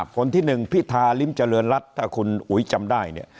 คนที่๑พิธาริมเจริญรัฐถ้าคุณอุ๋ยจำได้เนี่ย